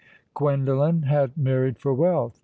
Gwendolen had married for wealth.